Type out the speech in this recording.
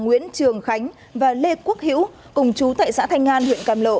nguyễn trường khánh và lê quốc hữu cùng chú thệ xã thanh an huyện cam lộ